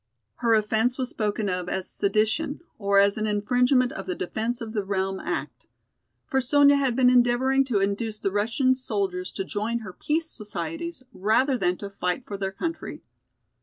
Her offense was spoken of as sedition, or as an infringement of the "Defense of the Realm" act. For Sonya had been endeavoring to induce the Russian soldiers to join her peace societies rather than to fight for their country.